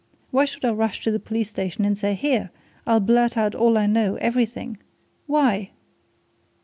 Why should I rush to the police station and say, 'Here I'll blurt out all I know everything!' Why?"